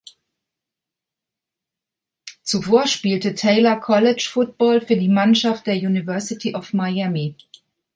Zuvor spielte Taylor College Football für die Mannschaft der University of Miami.